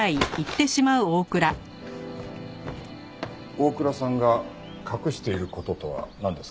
大倉さんが隠している事とはなんですか？